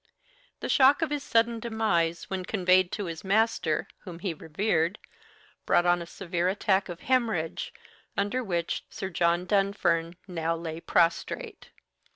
The shock of his sudden demise, when conveyed to his master, whom he revered, brought on a severe attack of hemorrhage, under which Sir John Dunfern now lay prostrate.